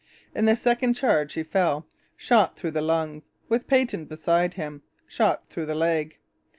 In the second charge he fell, shot through the lungs, with Peyton beside him, shot through the leg.